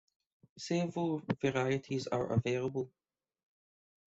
Several varieties are available.